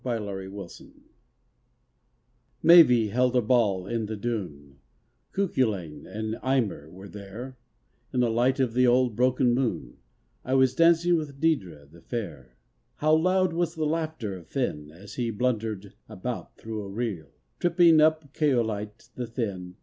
224 A DREAM DANCE Maeve held a ball on the dun, Cuculain and Eimer were there, In the light of an old broken moon I was dancing with Deirdre the fair. How loud was the laughter of Finn As he blundered about thro' a reel, Tripping up Caoilte the thin.